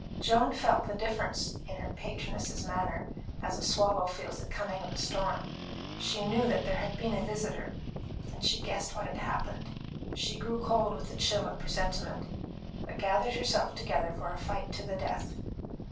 Joan felt the difference in her patroness's manner, as a swallow feels the coming of a storm. She knew that there had been a visitor, and she guessed what had happened. She grew cold with the chill of presentiment, but gathered herself together for a fight to the death.